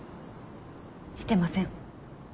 してません。